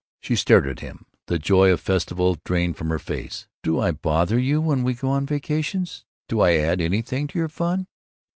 She stared at him, the joy of festival drained from her face. "Do I bother you when we go on vacations? Don't I add anything to your fun?"